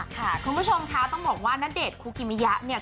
คุณผู้ชมค่ะต้องบอกว่าณเดชน์คุกิมิยะเนี่ย